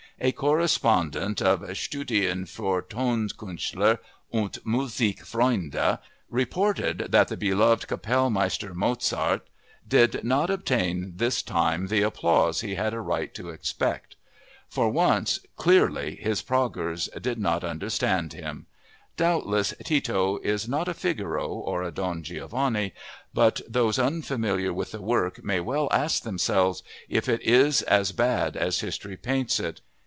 A correspondent of Studien für Tonkünstler und Musikfreunde reported that the "beloved Kapellmeister Mozard" did not obtain this time the applause he had a right to expect! For once, clearly, "his Praguers did not understand him." Doubtless, Tito is not a Figaro or a Don Giovanni, but those unfamiliar with the work may well ask themselves if it is as bad as history paints it.